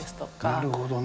なるほどね。